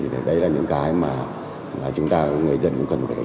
thì đây là những cái mà chúng ta người dân cũng cần phải đánh giá cao